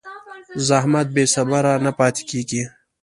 زحمت بېثمره نه پاتې کېږي.